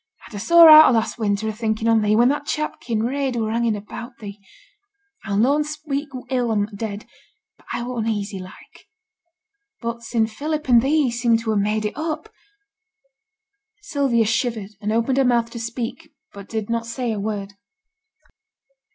I'd a sore heart a' last winter a thinking on thee, when that chap Kinraid were hanging about thee. I'll noane speak ill on the dead, but I were uneasylike. But sin' Philip and thee seem to ha' made it up ' Sylvia shivered, and opened her mouth to speak, but did not say a word.